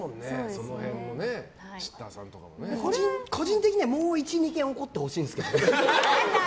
その辺の個人的には、もう１２件起こってほしいんですけど。